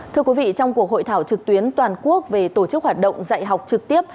thưa quý vị trong cuộc hội thảo trực tuyến toàn quốc về tổ chức hoạt động dạy học trực tiếp